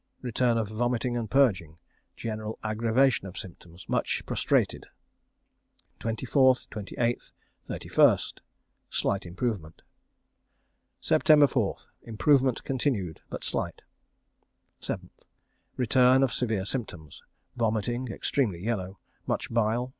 Return of vomiting and purging. General aggravation of symptoms. Much prostrated. 24th, 28th, 31st. Slight improvement. SEPTEMBER 4th. Improvement continued, but slight. 7th. Return of severe symptoms. Vomiting, extremely yellow, much bile.